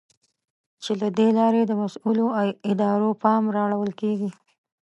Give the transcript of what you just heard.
چې له دې لارې د مسؤلو ادارو پام را اړول کېږي.